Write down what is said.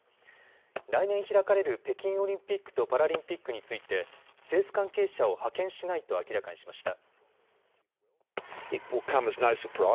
来年開かれる北京オリンピックとパラリンピックについて政府関係者を派遣しないと明らかにしました。